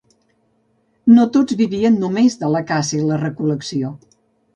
No tots vivien només de la caça i la recol·lecció.